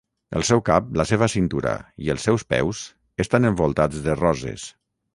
El seu cap, la seva cintura i els seus peus estan envoltats de roses.